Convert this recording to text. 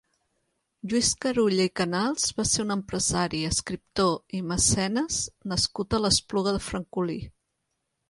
Lluís Carulla i Canals va ser un empresari, escriptor i mecenes nascut a l'Espluga de Francolí.